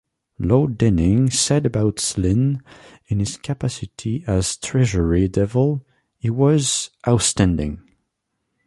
Lord Denning said about Slynn in his capacity as Treasury Devil: He was outstanding.